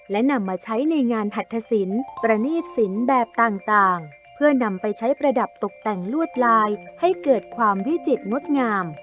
และนำมาใช้ในงานหัตถสินประณีตสินแบบต่างเพื่อนำไปใช้ประดับตกแต่งลวดลายให้เกิดความวิจิตรงดงาม